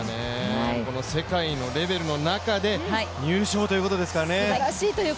世界のレベルの中で入賞ということですからね。